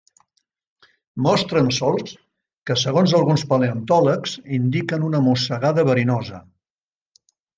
Mostren solcs que segons alguns paleontòlegs indiquen una mossegada verinosa.